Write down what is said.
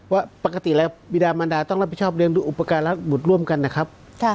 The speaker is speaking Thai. ว่าปกติแล้วบิดามันดาต้องรับผิดชอบเรียนดูอุปการณ์บุตรร่วมกันนะครับ